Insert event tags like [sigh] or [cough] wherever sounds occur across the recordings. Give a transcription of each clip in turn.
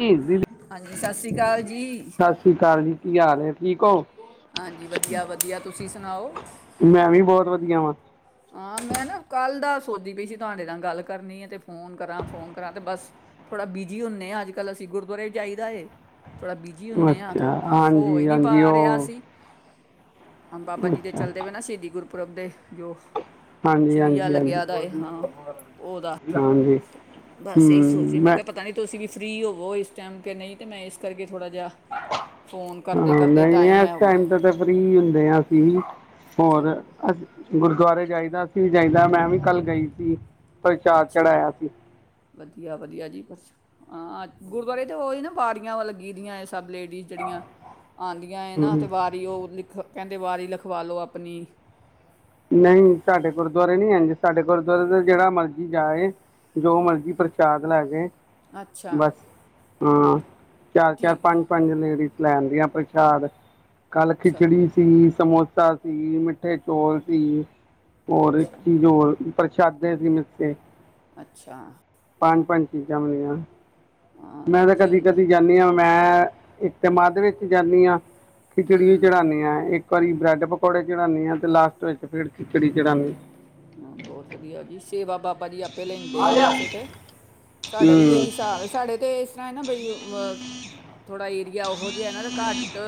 ਜੀ ਦੀਦੀ ਹਾਂਜੀ, ਸਤਿ ਸ੍ਰੀ ਅਕਾਲ ਜੀ। ਸਤਿ ਸ਼੍ਰੀ ਅਕਾਲ ਜੀ, ਕੀ ਹਾਲ ਨੇ ਠੀਕ ਹੋ? ਹਾਂਜੀ, ਵਧੀਆ-ਵਧੀਆ ਤੁਸੀਂ ਸੁਣਾਓ। ਮੈਂ ਵੀ ਬਹੁਤ ਵਧੀਆ ਵਾਂ। ਹਾਂ, ਮੈਂ ਨਾ ਕੱਲ ਦਾ ਸੋਚਦੀ ਪਈ ਸੀ। ਤੁਹਾਡੇ ਨਾਲ ਗੱਲ ਕਰਨੀ ਆ ਤੇ ਫੋਨ ਕਰਾਂ, ਫੋਨ ਕਰਾਂ ਤੇ ਬਸ ਥੋੜ੍ਹਾ ਬਿਜੀ ਹੁੰਦੇ ਆ। ਅੱਜ-ਕੱਲ ਅਸੀਂ ਗੁਰਦੁਆਰੇ ਜਾਈ ਦਾ ਏ। ਥੋੜ੍ਹਾ ਬਿਜੀ ਹੁੰਦੇ ਆ ਤੇ ਅੱਛਾ ਹੋ ਹਾਂਜੀ ਨੀ ਪ ਹਾਂਜੀ [unintelligible] ਉਹ ਹ ਬਾਬਾ ਜੀ ਦੇ ਅੱਛਾ ਚਲਦੇ ਪਏ ਨਾ ਸ਼ਹੀਦੀ ਗੁਰਪੁਰਬ ਦੇ ਜੋ ਹਾਂਜੀ ਚਿੱਲਿਆ ਹਾਂਜੀ ਹਾਂਜੀ ਲੱਗਿਆ ਦਾ ਏ ਹਾਂ, ਉਹਦਾ ਹਾਂਜੀ ਬਸ ਇਹੀ ਸੋਚੀ ਮੈਂ ਕਿਹਾ ਪਤਾ ਨੀ ਤੁਸੀਂ ਵੀ ਫਰੀ ਹੋਵੋ। ਇਸ ਟਾਈਮ ਕਿ ਨਹੀਂ ਅਤੇ ਮੈਂ ਇਸ ਕਰਕੇ ਥੋੜ੍ਹਾ ਜਿਹਾ ਫੋਨ ਹਾਂ, ਕਰਦੇ-ਕਰਦੇ [unintelligible] ਇਸ ਟਾਈਮ ਤੇ ਤਾਂ ਫਰੀ ਹੁੰਦੇ ਹਾਂ ਅਸੀਂ ਹੋਰ ਚਲੋ ਅਸੀ ਗੁਰਦੁਆਰੇ ਜਾਈਦਾ। ਅਸੀ ਵੀ ਜਾਈਦਾ ਮੈਂ ਵੀ ਕੱਲ ਗਈ ਸੀ। ਪ੍ਰਸ਼ਾਦ ਚੜਾਇਆ ਸੀ। ਵਧੀਆ-ਵਧੀਆ ਜੀ ਬਸ ਹਾਂ। ਗੁਰਦੁਆਰੇ ਤੇ ਉਹ ਹੀ ਨਾ ਵਾਰੀਆਂ ਲੱਗੀ ਦੀਆਂ ਸਭ ਲੇਡੀਜ਼ ਜਿਹੜੀਆਂ ਆਉਂਦੀਆਂ ਏ ਨਾ ਤੇ ਹੂੰ ਵਾਰੀ ਉਹ ਲਿਖ ਕਹਿੰਦੇ ਵਾਰੀ ਲਿਖਵਾ ਲਉ ਆਪਣੀ। ਨਹੀਂ ਸਾਡੇ ਗੁਰਦੁਆਰੇ ਨੀ ਇੰਝ, ਸਾਡੇ ਗੁਰਦੁਆਰੇ ਤਾ ਜਿਹੜਾ ਮਰਜੀ ਜਾ ਆਏ। ਜੋ ਮਰਜੀ ਪ੍ਰਸ਼ਾਦ ਲੈ ਜੇ ਅੱਛਾ ਬੱਸ ਹਾਂ ਚਾਰ-ਚਾਰ ਠੀਕ ਪੰਜ-ਪੰਜ ਲੇਡੀਜ਼ ਲੈਣ ਦੀਆਂ ਪ੍ਰਸ਼ਾਦ ਕੱਲ੍ਹ ਅੱਛਾ ਖਿੱਚੜੀ ਸੀ, ਸਮੋਸਾ ਸੀ, ਮਿੱਠੇ ਚੌਲ [unintelligible] ਹੋਰ ਇੱਕ ਅੱਛਾ ਚੀਜ਼ ਹੋਰ ਪ੍ਰਸ਼ਾਦੇ ਸੀ ਮਿੱਠੇ। ਅੱਛਾ। ਪੰਜ-ਪੰਜ ਚੀਜ਼ਾਂ ਮਿਲੀਆਂ। ਹਾਂ ਮੈਂ ਤਾਂ ਇੰਝ ਹੀ ਹੁੰਦਾ ਕਦੀ-ਕਦੀ ਜਾਂਣੀ ਆ, ਮੈਂ ਇੱਕ ਮਾਧ ਵਿੱਚ ਜਾਂਨੀ ਆ। ਖਿਚੜੀ ਵੀ ਚੜਾਉਂਦੀ ਹਾਂ ਇੱਕ ਕਦੀ ਬ੍ਰੈਡ ਪਕੌੜੇ ਚੜ੍ਹਾਂਦੀ ਹਾਂ ਤੇ ਲਾਸਟ ਵਿੱਚ ਫਿਰ ਖਿਚੜੀ ਚੜਾਨੀ। ਹਾਂ ਬਹੁਤ ਵਧੀਆ ਜੀ। ਸੇਵਾ ਬਾਬਾ ਜੀ ਆਪੇ ਲੈਂਦੇ ਆ ਵੈਸੇ ਤੇ ਸਾਡਾ ਵੀ ਇਹੀ ਹੂੰ ਹਿਸਾਬ ਹੈ ਸਾਡੇ ਅਤੇ ਇਸ ਤਰ੍ਹਾਂ ਹੈ ਨਾ ਬਈ ਥੋੜ੍ਹਾ ਏਰੀਆ ਉਹੋ ਜਿਹਾ ਨਾ ਅਤੇ ਘੱਟ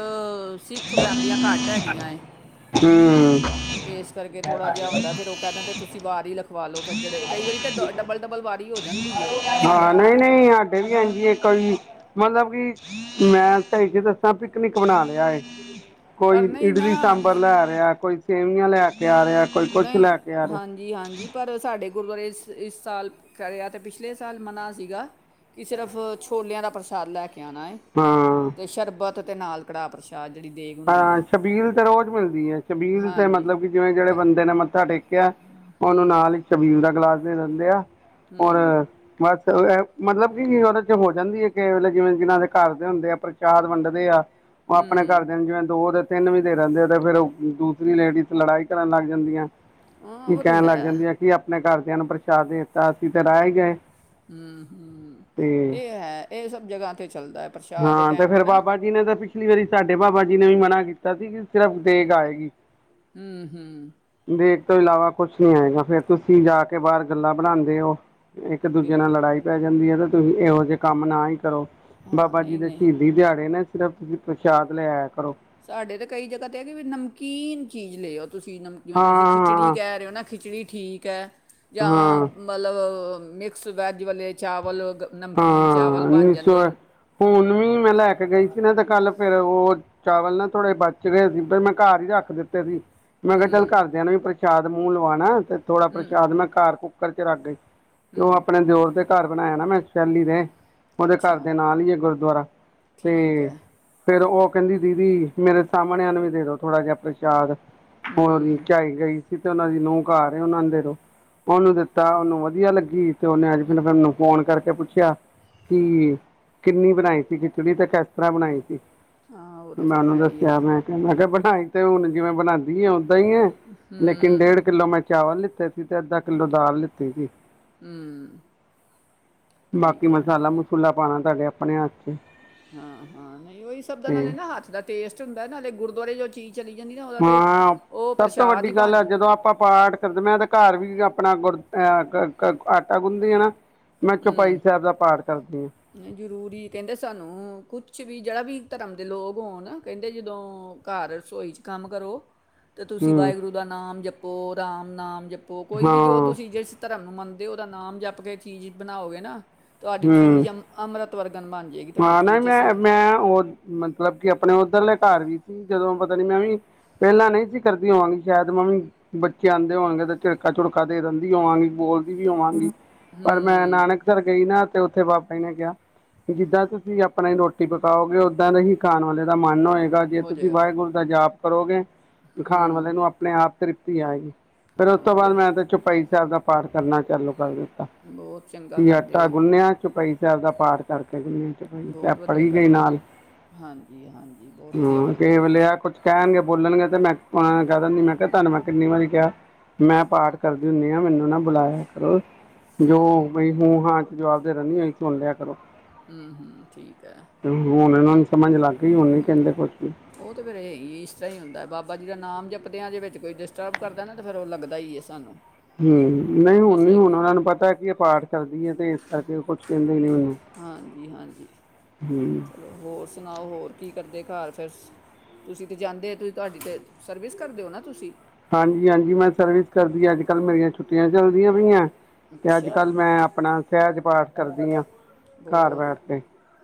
ਸਿੱਖ ਫੈਮਲੀਆਂ ਘੱਟ ਹੈਗੀਆਂ ਏ। ਹਮ ਤੇ ਇਸ ਕਰਕੇ ਥੋੜ੍ਹਾ ਜਿਹਾ ਹੁੰਦਾ ਫਿਰ ਉਹ ਕਹਿ ਦਿੰਦੇ ਤੁਸੀਂ ਵਾਰ ਹੀ ਲਖਵਾ ਲਓ ਫਿਰ ਜਿਹੜੇ ਕਈ ਵਾਰੀ ਤਾਂ ਦ ਡਬਲ-ਡਬਲ ਵਾਰ ਹੀ ਹੋ ਜਾਂਦੇ। ਹਾਂ ਨਹੀਂ- ਨਹੀਂ ਸਾਡੇ ਵੀ ਆਂਜੀ ਇੱਕ ਵਾਰੀ ਮਤਲਬ ਕਿ ਮੈਂ ਤਾਂ ਇਥੇ ਦੱਸਾਂ ਪਿਕਨਿਕ ਬਣਾ ਲਿਆ ਹੈ, ਪਰ ਕੋਈ ਨਹੀਂ ਨਾ ਇਡਲੀ ਸਾਂਬਰ ਲੈ ਰਿਹਾ ਕੋਈ ਸੇਵੀਆਂ ਲਿਆ ਕੇ ਆ ਰਿਹਾ ਕੋਈ ਕੁਛ ਨਹੀ ਲੈ ਕੇ ਆ ਰਿਹਾ ਹਾਂਜੀ। ਜੀ ਹਾਂਜੀ, ਪਰ ਸਾਡੇ ਗੁਰਦੁਆਰੇ ਇਸ ਸਾਲ ਕਰਿਆ ਅਤੇ ਪਿਛਲੇ ਸਾਲ ਮਨਾ ਸੀਗਾ। ਕਿ ਸਿਰਫ ਛੋਲਿਆਂ ਦਾ ਪ੍ਰਸ਼ਾਦ ਲੈ ਕੇ ਆਉਣਾ ਹੈ। ਹਾ। ਤੇ ਸਰਬਤ ਅਤੇ ਨਾਲ ਕੜਾਹ ਪ੍ਰਸਾਦ। ਆਹ ਜਿਹੜੀ ਦੇਗ। ਹੁੰਦੀ ਹੈ ਹਾਂ ਸ਼ਬੀਲ ਤੇ ਰੋਜ਼ ਮਿਲਦੀ ਹੈ। ਸ਼ਬੀਲ ਤੇ ਹਾਂਜੀ ਮਤਲਬ ਕਿ ਜਿਵੇਂ ਜਿਹੜੇ ਪੈ- ਬੰਦੇ ਨੇ ਮੱਥਾ ਟੇਕਿਆ ਉਹਨੂੰ ਹੂੰ ਨਾਲ ਹੀ ਸ਼ਬੀਲ ਦਾ ਗਿਲਾਸ ਦੇ ਦਿੰਦੇ ਆ। ਹੋਰ। ਹੂੰ ਬਸ ਮਤਲਬ ਕਿ ਉਹਦੇ ਚ ਹੋ ਜਾਂਦੀ ਹੈ ਕਿ ਜਿਵੇਂ ਜਿਹਨਾਂ ਦੇ ਘਰ ਦੇ ਹੁੰਦੇ ਆ ਪ੍ਰਸ਼ਾਦ ਵੰਡਦੇ ਆ। ਉਹ ਆਪਣੇ ਘਰਦਿਆਂ ਨੂੰ ਜਿਵੇਂ ਦੋ ਤੇ ਤਿੰਨ ਵੀ ਦੇ ਰਹਿੰਦੇ ਆ ਤੇ ਫੇਰ ਦੂਸਰੀ ਲੇਡੀ ਚ ਲੜਾਈ ਕਰਨ ਲੱਗ ਜਾਂਦੀਆਂ ਹਾਂ ਕੀ ਉਹ ਤੇ ਕਹਿਣ ਲੱਗ ਹੈ ਜਾਂਦੀਆਂ ਕੀ ਆਪਣੇ ਘਰਦਿਆਂ ਨੂੰ ਪ੍ਰਸ਼ਾਦ ਦੇ ਦਿੱਤਾ। ਅਸੀ ਤੇ ਰਹਿ ਹੀ ਗਏ। ਹੂ- ਹੂ ਤੇ ਇਹ ਹੈ, ਇਹ ਸਭ ਜਗ੍ਹਾ 'ਤੇ ਚੱਲਦਾ ਪ੍ਰਸ਼ਾਦ ਦੇ ਟਾਈਮ 'ਤੇ ਨਾ ਜੇ ਇਹਨਾਂ ਦਾ ਪਿੱਛੇ ਪਿਛਲੀ ਵਾਰੀ ਸਾਡੇ ਬਾਬਾ ਜੀ ਨੇ ਵੀ ਮਨਾ ਕੀਤਾ ਸੀ, ਕਿ ਸਿਰਫ ਦੇਗ ਆਏਗੀ ਹੂੰ ਹੂੰ ਦੇਗ ਤੋਂ ਇਲਾਵਾ ਕੁਛ ਨੀ ਆਏਗਾ, ਫੇਰ ਤੁਸੀਂ ਜਾ ਕੇ ਬਾਹਰ ਗੱਲਾਂ ਬਣਾਉਂਦੇ ਹੋ। ਇੱਕ ਦੂਜੇ ਨਾਲ ਬਿਲਕੁਲ ਲੜਾਈ ਪੈ ਜਾਂਦੀ ਹੈ, ਤੇ ਤੁਸੀਂ ਇਹੋ ਜਿਹੇ ਕੰਮ ਨਾ ਹੀ ਕਰੋ ਹਾਂ ਬਾਬਾ ਜੀ ਨਹੀਂ ਦੇ ਨਹੀਂ ਸ਼ਹੀਦ ਦਿਹਾੜੇ ਨੇ ਸਿਰਫ ਤੁਸੀਂ ਪ੍ਰਸ਼ਾਦ ਲੈ ਆਇਆ ਕਰੋ। ਸਾਡੇ ਤਾਂ ਕਈ ਜਗ੍ਹਾ ਤੇ ਹੈਗੇ ਵੀ ਨਮਕੀਨ ਚੀਜ਼ ਲੈਓ ਤੁਸੀਂ ਨਮ ਜਿਵੇਂ ਹਾਂ ਤੁਸੀਂ ਖਿਚੜੀ ਹਾਂ ਕਹਿ ਰਹੇ ਹੋ ਨਾ ਖਿਚੜੀ ਠੀਕ ਹੈ। ਜਾਂ ਹਾਂ ਮਤਲਬ ਮਿਕਸ ਵੈਜ ਵਾਲੇ ਚਾਵਲ। ਨਮਕੀਨ ਹਾਂ ਚਾਵਲ ਬਣ ਉਨੀ ਸੌ ਜਾਂਦੇ ਨੇ। ਹੁਣ ਵੀ ਮੈਂ ਲੈ ਕੇ ਗਈ ਸੀ ਨਾ, ਤੇ ਕੱਲ ਫੇਰ ਉਹ ਚਾਵਲ ਨਾ ਥੋੜੇ ਬਚ ਰਹੇ ਸੀ। ਫਿਰ ਮੈਂ ਘਰ ਹੀ ਰੱਖ ਦਿੱਤੇ ਸੀ। ਮੈਂ ਕਿਹਾ ਚੱਲ ਘਰਦਿਆਂ ਨੂੰ ਵੀ ਪ੍ਰਸ਼ਾਦ ਮੂੰਹ ਲਵਾਉਣਾ ਤੇ ਥੋੜਾ ਪ੍ਰਸ਼ਾਦ ਮੈਂ ਘਰ ਕੁੱਕਰ 'ਚ' ਰੱਖ ਗਈ 'ਤੇ' ਉਹ ਆਪਣੇ ਦਿਓਰ ਤੇ ਘਰ ਬਣਾਇਆ ਨਾ ਮੈਂ ਚਲੀ ਦੇ ਉਹਦੇ ਘਰ ਅੱਛਾ ਦੇ ਨਾਲ ਹੀ ਹੈ ਗੁਰਦੁਆਰਾ ਤੇ ਠੀਕ ਹੈ ਫੇਰ ਉਹ ਕਹਿੰਦੀ ਦੀਦੀ ਮੇਰੇ ਸਾਹਮਣਿਆਂ ਨੂੰ ਵੀ ਦੇ ਦੋ ਥੋੜਾ ਜਿਹਾ ਪ੍ਰਸ਼ਾਦ। ਹੋਰ ਨੀਚੇ ਆਈ ਗਈ। ਤੇ ਉਹਨਾਂ ਦੀ ਨੂੰਹ ਘਰ ਆ ਉਹਨਾਂ ਨੂੰ ਦੇਦੋ ਉਹਨੂੰ ਦਿੱਤਾ ਉਹਨੂੰ ਵਧੀਆ ਲੱਗੀ ਤੇ ਉਹਨੇ ਅੱਜ ਫਿਰ ਫੋਨ ਕਰਕੇ ਪੁੱਛਿਆ, ਕਿ ਕਿੰਨੀ ਬਣਾਈ ਸੀ ਖਿਚੜੀ ਤੇ ਕਿਸ ਤਰ੍ਹਾਂ ਬਣਾਈ ਸੀ। ਹਾਂ ਉਹ ਤਾਂ ਮੈਂ ਫਿਰ ਉਹਨੂੰ ਹੈ ਹੀ ਹੈ ਦੱਸਿਆ। ਮੈਂ-ਮੈਂ ਕਿਹਾ ਬਣਾਈ ਤੇ ਹੁਣ ਜਿਵੇਂ ਬਣਾ ਓਦਾਂ ਹੀ ਹੈ ਲੇਕਿਨ ਡੇਢ ਕਿੱਲੋ ਮੈਂ ਚਾਵਲ ਲਿੱਤੇ ਸੀ ਤੇ ਅੱਧਾ ਕਿੱਲੋ ਦਾਲ ਲਿੱਤੀ ਸੀ। ਹੂ ਬਾਕੀ ਮਸਾਲਾ-ਮਸੂਲਾ ਪਾਣਾ ਤੁਹਾਡੇ ਆਪਣੇ ਹੱਥ। ਚ ਹਾਂ-ਹਾਂ ਨਹੀਂ ਉਹੀ ਸਭ ਦਾ ਤੇ ਨਾਲ ਨਾ ਹੱਥ ਦਾ ਟੇਸਟ ਹੁੰਦਾ ਨਾਲੇ ਗੁਰਦੁਆਰੇ ਜੋ ਚੀਜ਼ ਚਲੀ ਜਾਂਦੀ ਨਾ ਉਹਦਾ ਤੇ ਹਾਂ ਉਹ ਸਭ ਤੋਂ ਪ੍ਰਸ਼ਾਦ ਵੱਡੀ ਹੀ ਗੱਲ ਆ ਬਣ ਜਦੋਂ ਆਪਾਂ ਪਾਠ ਕਰਦੇ ਮੈਂ ਤਾਂ ਘਰ ਵੀ ਆਪਣਾ ਗੁੜ ਅਹ, ਆਟਾ ਗੁਣਦੀ ਆ ਨਾ ਮੈਂ ਚੌਪਾਈ ਸਾਹਿਬ ਦਾ ਪਾਠ ਕਰਦੀ ਆ। ਜ਼ਰੂਰੀ ਕਹਿੰਦੇ ਸਾਨੂੰ ਕੁਛ ਵੀ ਜਿਹੜਾ ਵੀ ਧਰਮ ਦੇ ਲੋਕ ਹੋਣ ਕਹਿੰਦੇ ਜਦੋਂ ਘਰ ਰਸੋਈ 'ਚ' ਕੰਮ ਕਰੋ। ' [inaudible] ਤੇ ਤੁਸੀਂ ਵਾਹਿਗੁਰੂ ਦਾ ਨਾਮ ਜਪੋ, ਰਾਮ ਨਾਮ ਜਪੋ, ਕੋਈ ਵੀ ਜੋ ਹਾਂ ਤੁਸੀਂ ਜਿਸ ਧਰਮ ਨੂੰ ਮੰਨਦੇ ਉਹਦਾ ਨਾਮ ਚੀਜ਼ ਬਣਾਓਗੇ ਨਾ, ਤੁਹਾਡੀ ਹੂੰ ਚੀਜ਼ ਅ ਅੰਮ੍ਰਿਤ ਵਰਗਨ ਬਣ ਜੇ ਹਾਂ ਨਾ ਮੈਂ-ਮੈਂ ਉਹ ਮਤਲਬ ਕਿ ਆਪਣੇ ਉੱਧਰਲੇ ਘਰ ਵੀ ਸੀ ਜਦੋਂ ਪਤਾ ਨੀ ਮੈਂ ਵੀ ਪਹਿਲਾਂ ਨਹੀਂ ਸੀ ਕਰਦੀ ' [unintelligible] ' ਸ਼ਾਇਦ ' [unintelligible] ' ਬੱਚੇ ਆਂਦੇ ਹੋਣਗੇ ਤੇ ਝਿੜਕਾ-ਝੁੜਕਾ ਤੇ ਦਿੰਦੀ ਹੋਵਾਂਗੀ ਬੋਲ ਵੀ ਹੋਵਾਂਗੀ ' [inaudible] ' ਪਰ ਮੈਂ ਗਈ ਨਾਨਕ ਘਰ ਗਈ ਤੇ ਉੱਥੇ ਬਾਪਾ ਜੀ ਨੇ ਕਿਹਾ ਜਿੱਦਾਂ ਤੁਸੀਂ ਆਪਣਾ ਹੀ ਰੋਟੀ ਪਕਾਓਗੇ ਓਦਾਂ ਦਾ ਹੀ ਖਾਣ ਵਾਲੇ ਦਾ ਮਨ ਹੋਏਗਾ ਜੇ ਹੋ ਤੁਸੀਂ ਜਾਏਗਾ ਵਾਹਿਗੁਰੂ ਦਾ ਜਾਪ ਕਰੋਗੇ [inaudible] ਖਾਣ ਵਾਲੇ ਨੂੰ ਆਪਣੇ ਆਪ ਤ੍ਰਿਪਤੀ ਆਏਗੀ। ਫਿਰ ਉਸ ਹਾਂ ਤੋਂ ਬਾਅਦ ਜੇ ਮੈਂ ਤਾਂ ਚੌਪਈ ਸਾਹਿਬ ਦਾ ਪਾਠ ਕਰਨਾ ਚਾਲੂ ਕਰ ਅ ਬਹੁਤ ਚੰਗਾ ਕਰਦੇ ਆਟਾ ਹੋ ਗੁੰਨਿਆ ਚੌਪਈ ਸਾਹਿਬ ਦਾ ਪਾਠ ਕਰਕੇ ਕੇ ਗੁੰਨਿਆ। ਬਹੁਤ ਚੈਪੜ ਵਧੀਆ ਹੀ ਗਈ ਕਰਦੇ ਨਾਲ ' ਹੋ। ਹਾਂਜੀ ਹਾਂਜੀ [inaudible] ' ਬਹੁਤ ਵਧੀਆ ਹਮ ਕੇ ਕਰਦੇ ਹੋ ਤੁਸੀਂ ਵਲਿਆ ਕੁਛ ਕਹਿਣਗੇ ਬੋਲਣਗੇ ਤੇ ਮੈਂ ਕਹਿ ਦਿੰਦੀ ਮੈਂ ਕਿਹਾ ਤੁਹਾਨੂੰ ਮੈਂ ਕਿੰਨੀ ਵਾਰੀ ਕਿਹਾ ਮੈਂ ਪਾਠ ਕਰ ਹੁੰਨੀ ਆ ਮੈਨੂੰ ਨਾ ਬੁਲਾਇਆ ਕਰੋ ' [inaudible] ' ਜੋ ਬਈ ਹੂੰ-ਹਾਂ ਜੋ ਆਪਦੇ ' [unintelligible] ' ਸੁਣ ਲਿਆ ਕਰੋ। ਹਮ-ਹਮ ਠੀਕ ਐ। ਹੁਣ ਇਹਨਾਂ ਨੂੰ ਸਮਝ ਲੱਗ ਗਈ ਹੁਣੀ ਕਹਿੰਦੇ ਕੁਛ ਵੀ ਉਹ ਤਾਂ ਫਿਰ ਇਹੀ ਇਸ ਤਰ੍ਹਾਂ ਹੀ ਹੁੰਦਾ ਬਾਬਾ ਜੀ ਦਾ ਨਾਮ ਜਪਦਿਆਂ ਜੇ ਵਿੱਚ ਕੋਈ ਡਿਸਟਰਬ ਕਰਦਾ ਨਾ ਤਾਂ ਫਿਰ ਉਹ ਲੱਗਦਾ ਹੀ ਇਸ ਤੁਹਾਨੂੰ। ਹਮ, ਨਹੀਂ ਹੁਣ ਨਹੀਂ ਹੋਣਾ ਉਹਨਾ ਨੂੰ ਪਤਾ ਕਿ ਇਹ ਪਾਠ ਕਰਦੀ ਹੈ ਤੇ ਇਸ ਕਰਕੇ ਕੁਛ ਕਹਿੰਦੇ ਨੀ ਉਹਨੂੰ ਹਾਂਜੀ ਹਾਂ। ਹਾਂਜੀ। ਹਮ। ਚਲੋ ਹੋਰ ਸੁਣਾਓ, ਹੋਰ। ਕੀ ਕਰਦੇ ਘਰ ਫਿਰ [unintelligible] ਤੁਸੀਂ ਤਾਂ ਜਾਂਦੇ ਤੁਸੀਂ ਤੁਹਾਡੀ ਤਾਂ ਸਰਵਿਸ ਕਰ ਦਿਓ ਨਾ ਤੁਸੀਂ? ਹਾਂਜੀ-ਹਾਂਜੀ ਮੈਂ ਸਰਵਿਸ ਕਰਦੀ ਆਂ ਅੱਜ-ਕੱਲ੍ਹ ਮੇਰੀਆਂ ਛੁੱਟੀਆਂ ਚੱਲਦੀਆਂ ਪਈਆਂ ' [inaudible] ' ਤੇ ਅੱਜ-ਕੱਲ ਅੱਛਾ ਮੈਂ ਆਪਣਾ ਸਹਿਜ ਪਾਠ ਕਰਦੀ ਆ। ਬਹੁਤ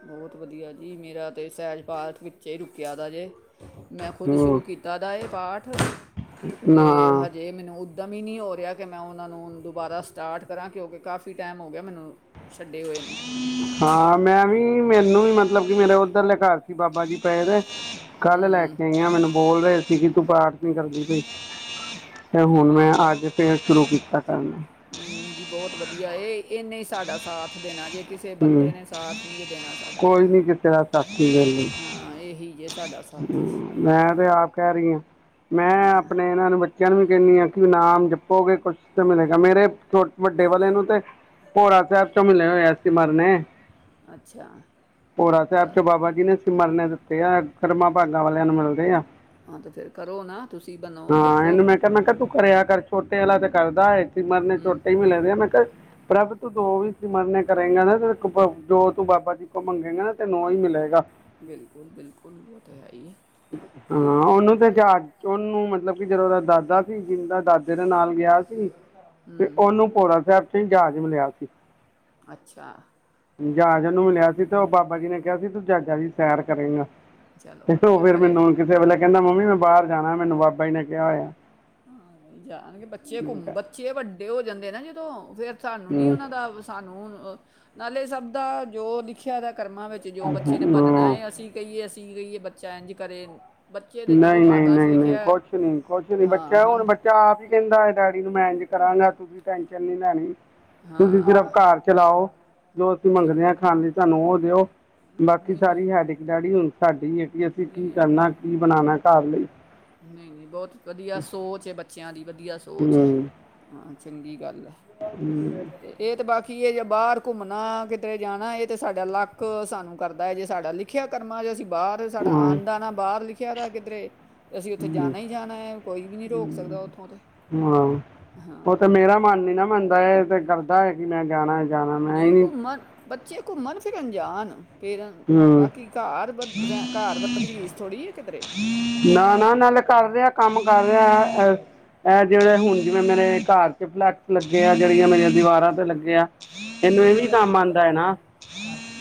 ਬਹੁਤ ਵਧੀਆ ਜੀ ਮੇਰਾ ਤੇ ਸਹਿਜ ਪਾਠ ਵਿੱਚੇ ਹੀ ਰੁਕਿਆ ਦਾ ਜੇ ਮੈਂ ਖੁਦ ਸ਼ੁਰੂ ਹੂੰ ਕੀਤਾ ਦਾ ਇਹ ਪਾਠ ' [unintelligible] ' ਅਤੇ ਹਾਂ ਹਜੇ ਮੈਨੂੰ ਦਮੀ ਨਹੀਂ ਹੋ ਰਿਹਾ ਕਿ ਮੈਂ ਉਹਨਾਂ ਨੂੰ ਹੁਣ ਦੁਬਾਰਾ ਸਟਾਰਟ ਕਰਾਂ ਕਿਉਂਕਿ ਕਾਫੀ ਟਾਈਮ ਹੋ ਗਿਆ ਮੈਨੂੰ ਛੱਡੇ ਹੋਏ ਨੂੰ। ਹਾਂ ਮੈਂ ਵੀ ਮੈਨੂੰ ਵੀ ਮਤਲਬ ਕਿ ਮੇਰੇ ਉੱਧਰ ਘਰ ਸੀ, ਬਾਬਾ ਜੀ ਪਏ ਨੇ ਕੱਲ ਲੈ ਕੇ ਆਈ ਆ ਮੈਨੂੰ ਬੋਲ ਰਹੇ ਸੀ ਕਿ ਤੂੰ ਪਾਠ ਨੀਂ ਕਰਦੀ ਪਈ। ਤੇ ਨਹੀਂ ਹੁਣ ਨਹੀਂ ਮੈਂ ਅੱਜ ਫਿਰ ਸ਼ੁਰੂ ਕੀਤਾ ਕਰਨਾ ਨਹੀਂ ਨਹੀਂ ਜੀ ਬਹੁਤ ਵਧੀਆ ਇਹ ਇਹਨੇ ਸਾਡਾ ਸਾਥ ਦੇਣਾ ਜੇ ਕਿਸੇ ਬੰਦੇ ਹੂੰ ਨੇ ਸਾਥ ਨਹੀਂ ਜੇ ਦੇਣਾ ਸਾਡਾ ਕੋਈ ਨੀ ਕਿਸੇ ਦਾ ਹਾਂ। ਹਾਂ ਇਹੀ ਏ ਜਿਸ ਹੂੰ ਮੈਂ ਤੇ ਆਪ ਕਹਿ ਰਹੀ ਹਾਂ। ਮੈਂ ਆਪਣੇ ਇਹਨਾਂ ਨੂੰ ਨੂੰ ਵੀ ਕਹਿੰਨੀ ਆ ਕਿ ਨਾਮ ਜਪੋਗੇ ਕੁਛ ਤੇ ਮਿਲੇਗਾ ਮੇਰੇ ਛੋਟ ਵੱਡੇ ਵਾਲੇ ਨੂੰ ਤੇ ਪੋਰਾ ਸਾਹਿਬ ਚ ਮਿਲੇ ਹੋਇਆ ਸਿਮਰਨੇ ਅੱਛਾ ਭੋਰਾ ਸਾਹਿਬ ਬਸ ਚ ਬਾਬਾ ਜੀ ਨੇ ਸਿਮਰਨੇ ਦਿੱਤੇ ਆ ਕਰਮਾਂ ਭਾਗਾਂ ਵਾਲਿਆਂ ਨੂੰ ਮਿਲਦੇ ਆ। ਹਾਂ ਤਾਂ ਫਿਰ ਕਰੋ ਨਾ ਤੁਸੀਂ ਬਣੋ ਹਾਂ ਜਪੋ ਇਹਨੂੰ ਮੈਂ ਕਿਹਾ ਮੈਂ ਕਿਆ ਤੂੰ ਕਰਿਆ ਕਰ ਛੋਟੇ ਵਾਲਾ ਤੇ ਕਰਦਾ ਐ। ਸਿਮਰਨੇ ਛੋਟੇ ਹੀ ਮਿਲੇ ਦੇ ਆ ਮੈਂ ਕਿਹਾ ਪ੍ਰਭ ਤੂੰ ਦੋ ਵੀ ਸਿਮਰਨੇ ਕਰੇਗਾ ਨਾ ਤੇ ਜੋ ਤੂੰ ਬਾਬਾ ਜੀ ਕੋਲ ਮੰਗੇਗਾ ਨਾ ਤੈਨੂੰ ਹੀ ਮਿਲੇਗਾ। ਬਿਲਕੁਲ ਬਿਲਕੁਲ ਉਹ ਤੇ ਹੈ ਹੀ ਈ। ਹਾਂ ਉਹਨੂੰ ਤੇ ਜਾ ਉਹਨੂੰ ਮਤਲਬ ਕਿ ਜਦੋਂ ਉਹਦਾ ਦਾਦਾ ਜਿੰਦਾ ਦਾਦੇ ਦੇ ਨਾਲ ਗਿਆ ਸੀ ਤੇ ਉਹਨੂੰ ਭੋਰਾ ਸਾਹਿਬ ‌ਚ ਜ਼ਹਾਜ਼ ਮਿਲਿਆ ਸੀ। ਅੱਛਾ ਜਦ ਉਹਨੂੰ ਮਿਲਿਆ ਸੀ ਤੇ ਉਹ ਬਾਬਾ ਜੀ ਨੇ ਕਿਹਾ ਸੀ ਤੂੰ ਜ਼ਹਾਜਾ ਜੀ ਸੈਰ ਕਰੇਗਾ। ਚਲੋ ਉਹ ਵਧੀਆ ਫਿਰ ਕਰੇ ਮੈਨੂੰ ਕਿਸੇ ਵੇਲੇ ਕਹਿੰਦਾਂ ਮੰਮੀ ਮੈਂ ਬਾਹਰ ਜਾਣਾ ਮੈਨੂੰ ਬਾਬਾ ਜੀ ਨੇ ਕਿਹਾ ਹੋਇਆ। ਹਾਂ ਨਹੀਂ, ਜਾਣਗੇ ਬੱਚੇ ਮੈਂ ਘੁੰਮ ਕਿਹਾ ਬੱਚੇ ਵੱਡੇ ਹੋ ਜਾਂਦੇ ਨਾ ਜਦੋਂ ਫੇਰ ਸਾਨੂੰ ਨੀ ਹੂੰ ਉਹਨਾਂ ਦਾ ਸਾਨੂੰ ਨਾਲੇ ਸਭ ਦਾ ਜੋ ਲਿਖਿਆ ਦਾ ਕਰਮਾਂ ਵਿੱਚ ਜੋ ਬੱਚੇ ਨੇ ਬਨਨਾ ਹੂੰ ਹੈ ਅਸੀਂ ਕਹੀਏ ਅਸੀਂ ਕਹੀਏ ਬੱਚਾ ਇੰਝ ਕਰੇ ਬੱਚੇ ਦੇ ਜੋ ਨਹੀਂ ਨਹੀਂ ਭਾਗਾਂ 'ਚ ਨਹੀਂ ਨਹੀਂ ਲਿਖਿਆ ਕੁਛ ਨੀ -ਕੁਛ ਨੀ ਹਾਂ ਬੱਚਾ ਹੁਣ ਹਨ ਬੱਚਾ ਆਪ ਹੀ ਕਹਿੰਦਾ ਡੈਡੀ ਨੂੰ ਮੈਂ ਇਜ ਕਰਾਂਗਾ ਤੁਸੀਂ ਟੈਸ਼ਨ ਨੀ ਲੈਣੀ ਤੁਸੀਂ ਹਾਂ ਸਿਰਫ਼ ਘਰ ਚਲਾਓ ਜੋ ਅਸੀਂ ਜੀ ਮੰਗਦੇ ਹਾਂ ਖਾਣ ਲਈ ਸਾਨੂੰ ਉਹ ਦਿਓ, ਹਾਂ ਬਾਕੀ ਨਹੀਂ ਨਹੀਂ ਸਾਰੀ ਹੈਡਿਕ ਡੈਡੀ ਹੁਣ ਸਾਡੀ ਏ ਅਸੀਂ ਨਹੀਂ ਕੀ ਨਹੀਂ ਕਰਨਾ ਕੀ ਬਣਾਣਾ ਘਰ ਲਈ ਨਹੀਂ -ਨਹੀਂ ਬਹੁਤ ਵਧੀਆ ਸੋਚ ਹੈ, ਬੱਚਿਆਂ ਦੀ ਵਧੀਆ ਸੋਚ ਹੈ। ਹੂੰ ਹਾਂ ਚੰਗੀ ਗੱਲ਼ ਆਂ। ਹੂੰ ਇਹ ਤੇ ਬਾਕੀ ਇਹ ਜੇ ਬਾਹਰ ਘੁੰਮਣਾ, ਕਿਤੇ ਜਾਣਾ ਇਹ ਤੇ ਸਾਡਾ ਲੱਕ ਸਾਨੂੰ ਕਰਦਾ ਹੈ ਜੇ ਸਾਡਾ ਲਿ ਲਿਖਿਆ ਕਰਮ 'ਚ ਅਸੀਂ ਬਾਹਰ ਸਾਡਾ ਅੰਨ -ਦਾਣਾ ਬਾਹਰ ਲਿਖਿਆ ਵਾ ਕਿਧਰੇ ਤੇ ਅਸੀਂ ਉੱਥੇ ਹੂੰ ਜਾਣਾ ਹੀ ਜਾਣਾ ਹੈ ਕੋਈ ਵੀ ਨਹੀਂ ਰੋਕ ਸਕਦਾ ਉੱਥੋਂ ਤੇ ਹੂੰ ਹਾਂ ਉਹ ਤਾਂ ਹਾਂ ਮੇਰਾ ਮਨ ਨੀ ਨਾ ਮੰਨਦਾ ਹੈ ਤੇ ਕਰਦਾ ਹੈ ਕਿ ਮੈਂ ਜਾਣਾ ਜਾਣਾ ਮੈਂ ਹੀ ਨਹੀਂ ਘੁੰਮਣ ਬੱਚੇ ਘੁੰਮਣ -ਫਿਰਨ ਜਾਣ। ਫਿਰ ਹੂੰ ਬਾਕੀ ਘਰ ਵ ਘਰ ਵਰਗੀ ਰੀਸ ਥੋੜ੍ਹੀ ਹੈ ਕਿਧਰੇ ਨਾ ਨਾ ਨਾਲੇ ਕਰ ਰਿਹਾ ਕੰਮ ਕਰ ਰਿਹਾ। ਇਹ ਜਿਹੜੇ ਹੁਣ ਜਿਵੇਂ ਮੇਰੇ ਘਰ ਚ ਪਲਾਂਟ ਲੱਗੇ ਆ ਜਿਹੜੀਆਂ ਮੇਰੀਆਂ ਦੀਵਾਰਾਂ ਤੇ ਲੱਗੇ ਆ। ਇਹਨੂੰ ਇਹ ਵੀ ਹੂੰ ਨੀ ਕੰਮ ਆਦਾਂ ਹੈ ਨਾ।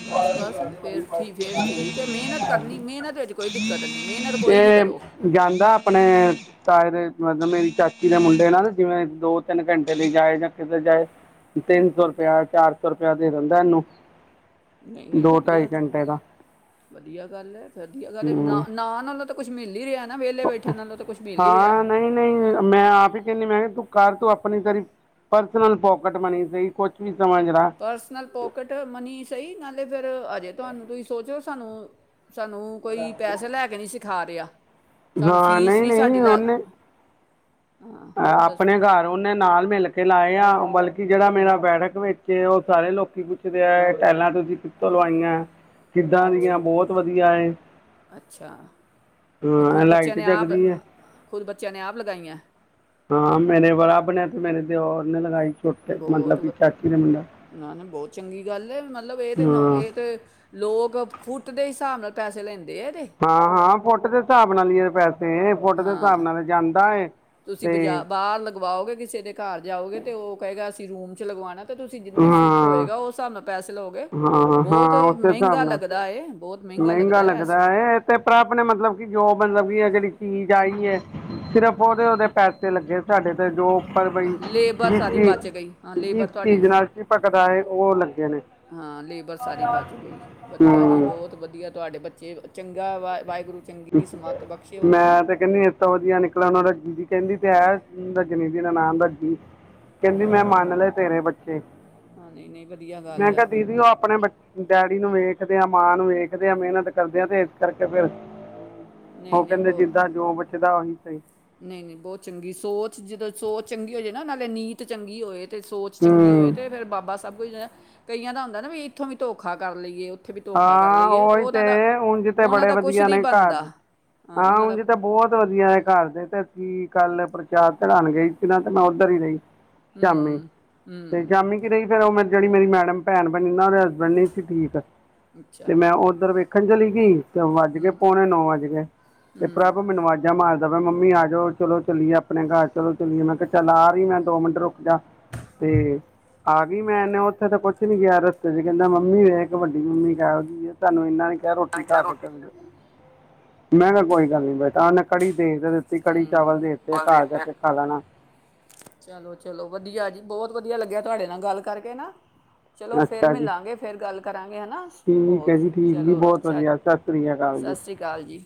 ਬਸ ਬਸ ਫੇਰ ਠੀਕ ਫੇਰ ਠੀਕ ਹੈ ਮਿਹਨਤ ਕਰਨੀ ਮਿਹਨਤ ਵਿੱਚ ਕੋਈ ਦਿੱਕਤ ਨਹੀਂ ਮਿਹਨਤ ਕੋਈ ਵੀ ਕਰੋ ਤੇ ਜਾਂਦਾ ਆਪਣੇ ਤਾਏ ਦੇ ਮਤਲਬ ਮੇਰੀ ਚਾਚੀ ਦੇ ਮੁੰਡੇ ਨਾਲ ਜਿਵੇਂ ਦੋ- ਤਿੰਨ ਘੰਟੇ ਲਈ ਜਾਏ ਜਾਂ ਕਿਤੇ ਜਾਏ। ਤਿੰਨ ਸੌ ਰੁਪਇਆ, ਚਾਰ ਸੌ ਰੁਪਇਆ ਦੇ ਦਿੰਦਾਂ ਇਹਨੂੰ ਨਹੀਂ -ਨਹੀਂ ਦੋ ਵਧੀ ਢਾਈ ਘੰਟੇ ਦਾ। ਵਧੀਆ ਗੱਲ ਏ-ਵਧੀਆ ਗੱਲ ਏ ਹਮ ਨਾ-ਨਾ ਨਾਲੋਂ ਤਾਂ ਕੁਛ ਮਿਲ ਹੀ ਰਿਹਾ ਨਾ। ਵਿਹਲੇ ਬੈਠਣ ਨਾਲੋਂ ਤਾਂ ਕੁਛ ਮਿਲ ਹੀ ਰਿਹਾ। ਹਾਂ ਨਹੀਂ ਨਹੀਂ ਮੈਂ ਆਪ ਹੀ ਕਹਿਣੀ, ਮੈਂ ਕਿਹਾ ਤੂੰ ਕਰ ਤੂੰ ਆਪਣੀ ਤੇਰੀ ਪਰਸਨਲ ਪੋਕਟ ਮਨੀ ਸਹੀ, ਕੁਛ ਵੀ ਸਮਝ ਰਹਾ। ਪਰਸਨਲ ਪੋਕਿਟ ਮਨੀ ਸਹੀ ਨਾਲੇ ਫਿਰ ਹਜੇ ਤੁਹਾਨੂੰ ਤੁਸੀਂ ਸੋਚੋ ਸਾਨੂੰ ਸਾਨੂੰ ਕੋਈ ਪੈਸੇ ਲੈ ਕੇ ਨਹੀ ਸਿਖਾ ਰਿਹਾ। ਸਾਨੂੰ ਹਾਂ ਫੀਸ ਨਹੀਂ ਵੀ ਸਾਡੀ ਨਹੀਂ ਲੱਗ ਹਾਂ, ਆਪਣੇ ਘਰ ਉਹਨੇ ਨਾਲ ਮਿਲ ਕੇ ਲਾਏ ਆ ਬਲਕਿ ਜਿਹੜਾ ਮੇਰਾ ਬੈਠਕ ਵਿੱਚ ਉਹ ਸਾਰੇ ਲੋਕੀ ਟਾਇਲਾਂ ਤੁਸੀਂ ਕਿਥੋਂ ਲਵਾਈਆਂ, ਕਿੱਦਾਂ ਅੱਛਾ ਦੀਆਂ ਬਹੁਤ ਵਧੀਆ। ਅੱਛਾ ਤੇ ਹਾਂ ਖੁਦ ਬੱਚਿਆਂ ਲਾਈਟ ਨੇ ਆਪ ਜਗਦੀ ਹੈ ਖੁਦ ਬੱਚਿਆਂ ਨੇ ਆਪ ਲਗਾਈਆਂ। ਹਾਂ ਮੇਰੇ ਬਾਪ ਨੇ ਤੇ ਮੇਰੇ ਦਿਓਰ ਨੇ ਲਗਾਈ। ਛੋਟੇ ਮਤਲਬ ਬਹੁਤ ਕਿ ਚਾਚੀ ਦਾ ਮੁੰਡਾ ਵਧੀ ਨਾ-ਨਾ ਬਹੁਤ ਚੰਗੀ ਗੱਲ ਏ ਮਤਲਬ ਇਹ ਤੇ ਨ ਹਾਂ ਇਹ ਤੇ ਲੋਕ ਫੁੱਟ ਦੇ ਹਿਸਾਬ ਨਾਲ ਪੈਸੇ ਲੈਦੇ ਆ ਇਹਦੇ। ਹਾਂ -ਹਾਂ ਫੁੱਟ ਦੇ ਹਿਸਾਬ ਨਾਲ ਹੀ ਆ ਪੈਸੇ। ਫੁੱਟ ਦੇ ਹਿਸਾਬ ਨਾਲ ਜਾਂਦਾ ਏ। ਤੁਸੀ ਤੇ ਬਜਾ ਬਾਹਰ ਲਗਵਾਓਗੇ ਕਿਸੇ ਦੇ ਘਰ ਜਾਓਗੇ ਤੇ ਉਹ ਕਹੇਗਾ, ਅਸੀਂ ਰੂਮ ਚ ਲਗਵਾਣਾ। ਤੇ ਤੁਸੀਂ ਜਿੰਨੇ ਫੁੱਟ ਹਾਂ ਹੋਏਗਾ। ਉਸ ਹਿਸਾਬ ਨਾਲ ਪੈਸੇ ਲਓਗੇ। ਹਾਂ ਹਾਂ ਬਹੁਤ ਉਸੇ ਮਹਿੰਗਾ ਹਿਸਾਬ ਨਾਲ ਲੱਗਦਾ ਏ ਬਹੁਤ ਮਹਿੰਗਾ ਲੱਗਦਾ ਏ ਅ ਤੇ ਭਰਾ ਆਪਣੇ ਮਤਲਬ ਕਿ ਜੋ ਮਤਲਬ ਕਿ ਅ ਜਿਹੜੀ ਚੀਜ਼ ਆਈ ਏ। ਸਿਰਫ਼ ਉਹਦੇ-ਉਹਦੇ ਪੈਸੇ ਲੱਗੇ ਸਾਡੇ ਤੇ ਜੋ। ਪਰ ਬਈ ਲੇਬਰ ਜਿਸ ਸਾਰੀ ਚ ਬਚ ਗਈ ਹਾਂ ਜਿਸ ਲੇਬਰ ਤੁਹਾਡੀ ਚੀਜ਼ ਨਾਲ ਚ ਭਕਦਾ ਆ। ਉਹ ਲੱਗੇ ਨੇ। ਹਾਂ, ਲੇਬਰ ਸਾਰੀ ਬਚ ਗਈ। ਵਧੀਆ ਜੀ ਹੂੰ ਬਹੁਤ ਵਧੀਆ। ਤੁਹਾਡੇ ਬੱਚੇ ਚੰਗਾ ਵਾ ਵਾਹਿਗੁਰੂ ਚੰਗੀ ਸਮੱਤ ਬਖਸ਼ੇ ਉਹਨਾਂ ਨੂੰ। ਤਾਂ ਵਧੀਆ ਨਿਕਲਣ। ਉਹਨਾਂ ਦਾ ਜੀਦੀ ਦੀ ਕਹਿੰਦੀ ਤੇ ਏ ਦਾ ਜੀ ਦੀ ਦਾ ਨਾਮ ਦਾ ਜੀ। ਕਹਿੰਦੀ ਮੈਂ ਮੰਨ ਲਏ ਤੇਰੇ ਬੱਚੇ। ਹਾਂ ਨਹੀਂ ਨਹੀਂ ਵਧੀਆ ਮੈਂ ਗੱਲ ਹੈ ਕਿਹਾ ਦੀਦੀ ਉਹ ਆਪਣੇ ਬੇ- ਡੈਡੀ ਨੂੰ ਵੇਖਦੇ ਆ, ਮਾਂ ਨੂੰ ਵੇਖਦੇ ਆ। ਮਿਹਨਤ ਕਰਦੇ ਹ ਤੇ ਇਸ ਕਰਕੇ ਫਿਰ ਨਹੀਂ ਉਹ ਨਹੀਂ ਕਹਿੰਦੇ ਜਿੱਦਾਂ ਜੋ ਬਚਦਾ ਉਹੀ ਸਹੀ। ਨਹੀਂ-ਨਹੀਂ ਬਹੁਤ ਚੰਗੀ, ਸੋਚ ਜਦੋਂ ਸੋਚ ਚੰਗੀ ਹੋ ਜਾਵੇ ਨਾ ਨਾਲੇ ਨੀਤ ਚੰਗੀ ਹੋਏ। ਤੇ ਸੋਚ ਚੰਗੀ ਹੋਏ ਹੂੰ ਤੇ ਫਿਰ ਬਾਬਾ ਸਭ ਕੁਝ ਕਈਆਂ ਦਾ ਹੁੰਦਾ ਨਾ ਵੀ ਇੱਥੋਂ ਵੀ ਧੋਖਾ ਕਰ ਲਈਏ। ਵੀ ਧੋਖਾ ਕਰ ਹਾਂ ਲਈਏ ਓਹੀ ਉਹਨਾਂ ਤੇ ਦਾ ਉਝ ਤੇ ਉਹਨਾਂ ਬੜੇ ਦਾ ਕੁਛ ਵਧੀਆ ਨਹੀਂ ਨੇ ਘਰ। ਬਣਦਾ ਹਾਂ, ਉਹਨਾਂ ਦਾ ਉਜ ਤੇ ਕੁ- ਬਹੁਤ ਵਧੀਆ ਏ ਘਰ ਦੇ। ਤੇ ਅਸੀ ਕੱਲ ਪ੍ਰਛਾਦ ਚੜਾਨ ਗਏ ਸੀ ਨਾ ਤੇ ਮੈਂ ਉੱਧਰ ਹੀ ਰਹੀ। ਸ਼ਾਮੀ ਤੇ ਸ਼ਾਮੀ ਰਹੀ ਫਿਰ ਉਹ ਮ ਜਿੜੀ ਮੇਰੀ ਮੈਡਮ ਭੈਣ ਬਣੀ ਨਾ ਉਹਦੇ ਹਸਬੈਂਡ ਨ ਸੀ ਠੀਕ। ਅੱਛਾ ਤੇ ਮੈਂ ਉਧਰ ਵੇਖਣ ਚਲੀ ਗਈ ਤੇ ਵੱਜ ਗ ਪਉਣੇ ਨੌ ਵੱਜ ਗਏ ਤੇ ਪ੍ਰਭ ਮੈਨੂੰ ਵੱਜ ਜਾ ਮਾਰਦਾ। ਮੰਮੀ ਆ ਜਾਓ। ਚਲੋ-ਚੱਲੀਏ, ਆਪਣੇ ਘਰ ਚਲੋ ਚੱਲੀਏ। ਮੈਂ ਕਿਹਾ ਚੱਲ ਆ ਰਹੀ ਮੈਂ ਦੋ ਮਿੰਟ ਰੁਕ ਜਾ। ਤੇ ਆ ਗਈ ਮੈਂ ਇਹਨੇ ਉੱਥੇ ਤਾਂ ਕੁਛ ਨੀ ਕਿਹਾ ਰਸਤੇ ਚ ਕਹਿੰਦਾ ਮੰਮੀ ਵੇ ਇੱਕ ਵੱਡ- ਤੁਡੀ ਮੰਮੀ ਕਹਿਦੀ ਤਹਾਨੂੰ ਇਹਨਾਂ ਨੀ ਕਿਹਾ ਰੋਟੀ ਨਹੀਂ ਖਾ ਤਾਂ ਕੇ ਚੱਲ ਜੋ। ਮੈਂ ਕਿਹਾ ਕੋਈ ਗੱਲ ਨੀ ਬੇਟਾ। ਮੈਂ ਕੜੀ ਭੇਜ ਦਿੱਤੀ। ਕੜੀ-ਚਾਵਲ ਦੇ ਦਿੱਤੇ ਘਰ ਜਾ ਕੇ ਖਾ ਲੈਣਾ। ਚਲੋ-ਚਲੋ, ਵਧੀਆ ਜੀ ਬਹੁਤ ਵਧੀਆ ਲੱਗਿਆ ਤੁਹਾਡੇ ਨਾਲ ਗੱਲ ਕਰਕੇ ਨਾ। ਚਲੋ ਫਿਰ ਅੱਛਾ ਜੀ ਮਿਲਾਂਗੇ, ਫਿਰ ਗੱਲ ਕਰਾਂਗੇ ਨਾ ਠੀਕ ਹੈ ਹੋਰ ਜੀ ਠੀਕ ਜੀ ਚਲੋ, ਬਹੁਤ ਅੱਛਾ ਵਧੀਆ ਸਤਿ ਸ੍ਰੀ ਅਕਾਲ ਜੀ ਸ਼ਸ਼ੀ ਕਾਲ ਜੀ।